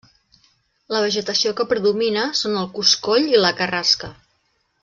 La vegetació que predomina són el coscoll, i la carrasca.